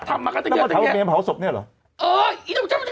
ต้องมาถามว่าเมนเผาศพเนี่ยเหรอ